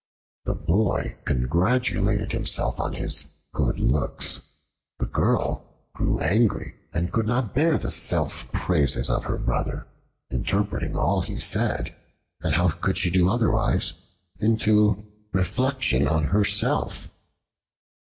The boy congratulated himself on his good looks; the girl grew angry, and could not bear the self praises of her Brother, interpreting all he said (and how could she do otherwise?) into reflection on herself.